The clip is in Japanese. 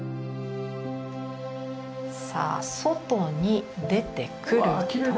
さあ外に出てくると。